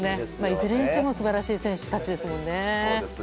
いずれにしても素晴らしい選手たちですね。